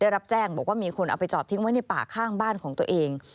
รับแจ้งบอกว่ามีคนเอาไปจอดทิ้งไว้ในป่าข้างบ้านของตัวเอง